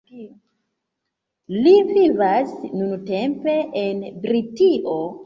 Li vivas nuntempe en Britio.